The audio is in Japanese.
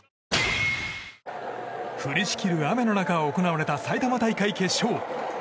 降りしきる雨の中行われた埼玉大会決勝。